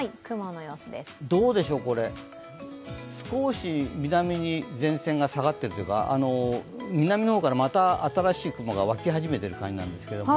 少し南に前線が下がっているというか、南の方からまた新しい雲が湧き始めている感じですね。